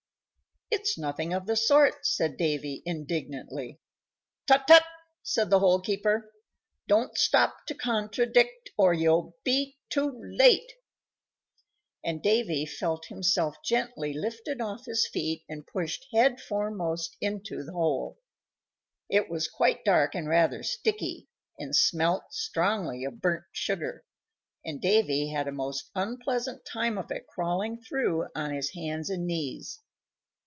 "It's nothing of the sort," said Davy, indignantly. "Tut! Tut!" said the Hole keeper. "Don't stop to contradict or you'll be too late;" and Davy felt himself gently lifted off his feet and pushed head foremost into the hole. It was quite dark and rather sticky, and smelt strongly of burnt sugar, and Davy had a most unpleasant time of it crawling through on his hands and knees.